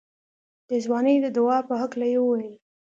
د ځوانۍ د دوا په هکله يې وويل.